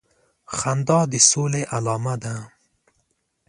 خندا د سولي علامه ده